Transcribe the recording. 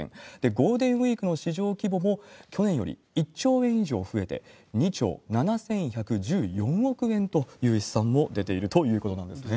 ゴールデンウィークの市場規模も、去年より１兆円以上増えて、２兆７１１４億円という試算も出ているということなんですね。